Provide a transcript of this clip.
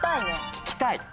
聞きたい！